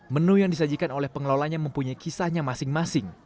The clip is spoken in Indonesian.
menu yang disajikan oleh pengelolanya mempunyai kisahnya masing masing